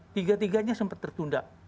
tiga tiganya sempat tertunda